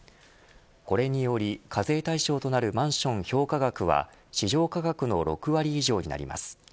これにより、課税対象となるマンション評価額は市場価格の６割以上になります。